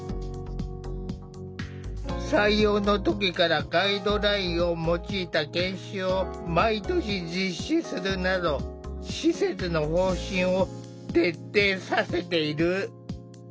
採用の時からガイドラインを用いた研修を毎年実施するなど施設の方針を徹底させている。